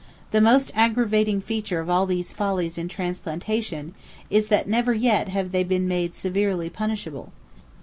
The most aggravating feature of these follies in transplantation is that never yet have they been made severely punishable.